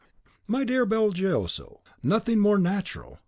"My dear Belgioso, nothing more natural.